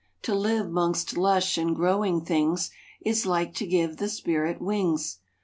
To live mongst lush and growing things Is like to give the spirit wings.